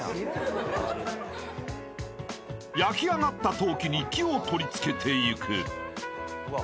［焼きあがった陶器に木を取り付けてゆく］